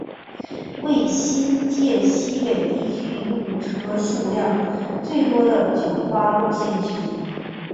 为新界西北地区用车数量最多的九巴路线之一。